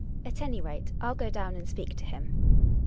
At any rate I'll go down and speak to him.